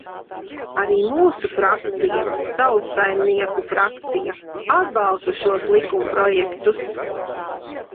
Arī mūsu frakcija, Tautsaimnieku frakcija, atbalsta šos likumprojektus.